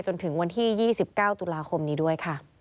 จนถึงวันที่๒๙ตุลาคมนี้ด้วยค่ะ